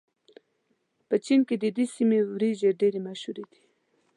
په چين کې د دې سيمې وريجې ډېرې مشهورې دي.